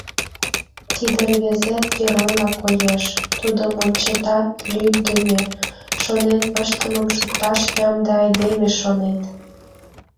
Тиде рвезет геройла коеш, тудым ончетат, лӱддымӧ, шонен пыштымым шукташ ямде айдеме шонет!